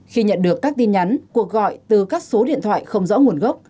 khi nhận được các tin nhắn cuộc gọi từ các số điện thoại không rõ nguồn gốc